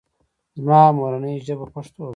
زما مورنۍ ژبه پښتو ده